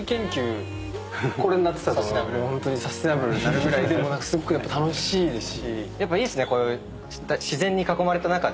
ホントにサスティナブルになるぐらいでも何かすごく楽しいですし。